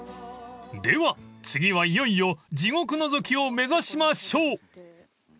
［では次はいよいよ地獄のぞきを目指しましょう］